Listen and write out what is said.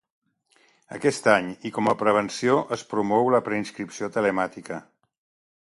Aquest any, i com a prevenció, es promou la preinscripció telemàtica.